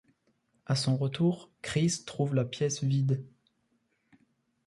À son retour, Chris trouve la pièce vide.